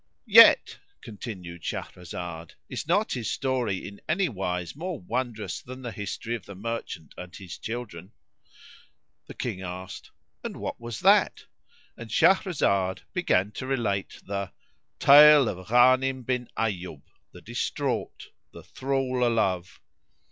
"Yet (continued Shahrazad) is not his story in any wise more wondrous than the history of the merchant and his children." The King asked "And what was that?" and Shahrazad began to relate the Tale of Ghanim bin Ayyub[FN#79], the Distraught, the Thrall o' Love.